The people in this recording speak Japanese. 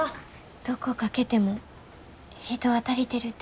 どこかけても人は足りてるて。